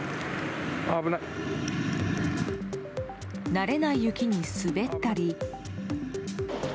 慣れない雪に滑ったり。